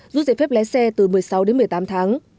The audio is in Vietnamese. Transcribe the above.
rút giải phép lái xe từ một mươi sáu đến một mươi tám tháng